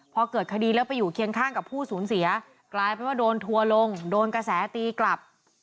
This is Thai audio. พอเกิดคดีแล้วไปอยู่เคียงข้างกับผู้สูญเสียกลายเป็นว่าโดนทัวร์ลงโดนกระแสตีกลับ